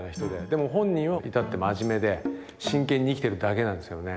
でも本人は至って真面目で真剣に生きてるだけなんですよね。